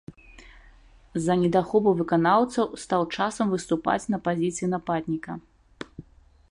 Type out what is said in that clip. З-за недахопу выканаўцаў стаў часам выступаць на пазіцыі нападніка.